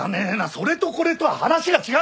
それとこれとは話が違うだろ！